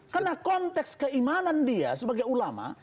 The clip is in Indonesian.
karena konteks keimanan dia sebagai ulama